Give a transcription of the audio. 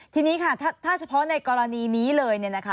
ทีนี้ค่ะถ้าเฉพาะในกรณีนี้เลย